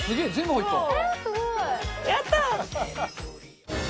やったー！